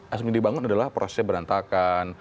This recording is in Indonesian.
asumsi yang dibangun adalah proses berantakan